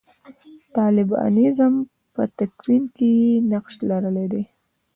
د طالبانیزم په تکوین کې یې نقش لرلی دی.